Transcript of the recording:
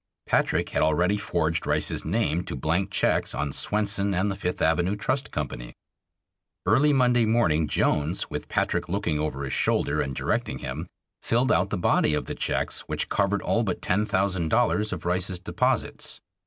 Patrick had already forged Rice's name to blank checks on Swenson and the Fifth Avenue Trust Company. Early Monday morning Jones, with Patrick looking over his shoulder and directing him, filled out the body of the checks, which covered all but ten thousand dollars of Rice's deposits.